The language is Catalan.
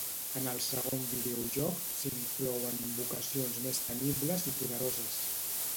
En el segon videojoc s'inclouen invocacions més temibles i poderoses.